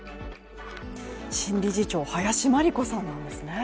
新理事長、林真理子さんなんですね。